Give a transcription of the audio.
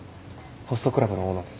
ホストクラブのオーナーです。